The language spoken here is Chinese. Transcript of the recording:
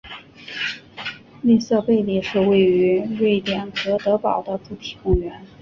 利瑟贝里是位于瑞典哥德堡的主题公园。